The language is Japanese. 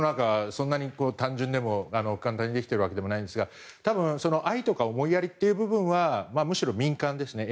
そんなに単純でも簡単にできているわけでもないんですが愛とか思いやりといった部分はむしろ民間ですね。